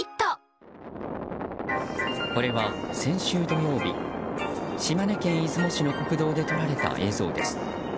これは先週土曜日島根県出雲市の国道で撮られた映像です。